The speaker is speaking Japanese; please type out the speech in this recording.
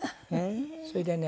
それでね